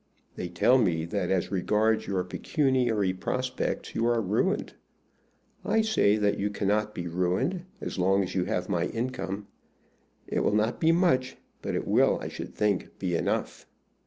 They tell me that as regards your pecuniary prospects you are ruined. I say that you cannot be ruined as long as you have my income. It will not be much, but it will, I should think, be enough.